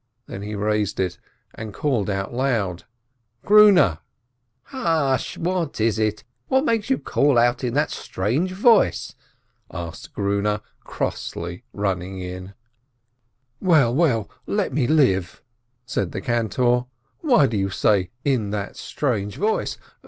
Then he raised it, and called out loud : "Grune!" "Hush! What is it? What makes you call out in that strange voice?" asked Grune, crossly, running in. "Well, well, let me live !" said the cantor. "Why do you say 'in that strange voice'?